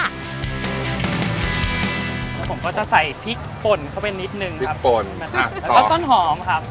ผมก็จะใส่พริกปนเข้าไปนิดนึงครับพริกปนแล้วก็ต้นหอมครับ